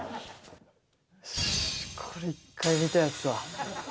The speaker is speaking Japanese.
これ、１回見たやつだ。